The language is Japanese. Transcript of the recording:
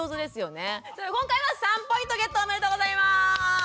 今回は３ポイントゲットおめでとうございます。